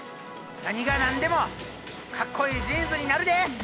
なにがなんでもかっこいいジーンズになるで！